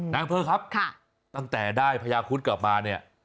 อำเภอครับตั้งแต่ได้พญาคุดกลับมาเนี่ย